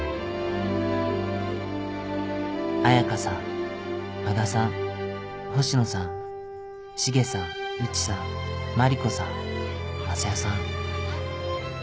「彩佳さん和田さん星野さんシゲさん内さん茉莉子さん昌代さん。